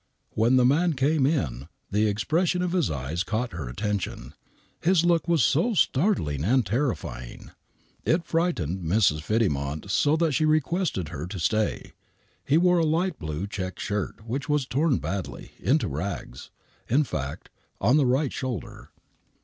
When (the man came in the expression of his eyes caught her attention, his look was so startling and terrifying. It frightened Mrs. Fiddy mont so that she requested her to stay. He wore a light blue check shirt, which was torn badly — into rags, in fact — on the right shoulder.